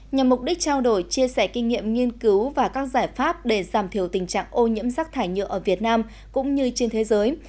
nhằm mục đích trao đổi chia sẻ kinh nghiệm nghiên cứu và các giải pháp để giảm thiểu tình trạng ô nhiễm rác thải nhựa ở việt nam cũng như trên thế giới